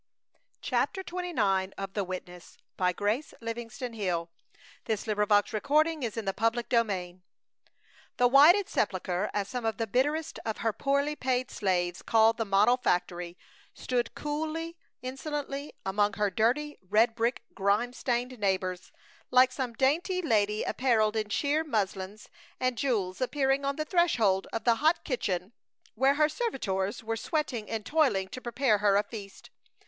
s in the neighborhood. Without waiting for a word, both men sprang out the door and down the stairs. CHAPTER XXIX "The Whited Sepulcher," as some of the bitterest of her poorly paid slaves called the model factory, stood coolly, insolently, among her dirty, red brick, grime stained neighbors; like some dainty lady appareled in sheer muslins and jewels appearing on the threshold of the hot kitchen where her servitors were sweating and toiling to prepare her a feast.